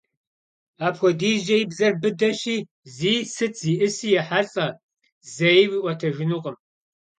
Апхуэдизкӏэ и бзэр быдэщи, зи сыт зиӏыси ехьэлӏэ, зэи уиӏуэтэжынукъым.